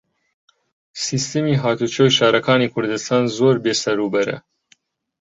سیستەمی هاتوچۆی شارەکانی کوردستان زۆر بێسەروبەرە.